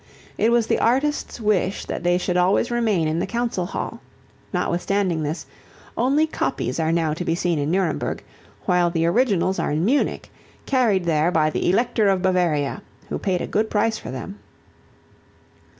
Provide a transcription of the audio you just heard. It was the artist's wish that they should always remain in the Council hall. Notwithstanding this, only copies are now to be seen in Nuremberg, while the originals are in Munich, carried there by the Elector of Bavaria, who paid a good price for them.